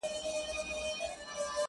• را سهید سوی؛ ساقي جانان دی؛